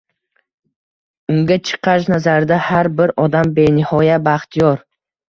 Unga chiqqach, nazarida, har bir odam benihoya baxtiyor.